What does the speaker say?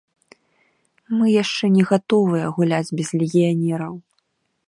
Мы яшчэ не гатовыя гуляць без легіянераў.